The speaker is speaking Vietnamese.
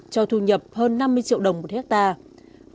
cho thu nhập hơn năm mươi triệu đồng một hectare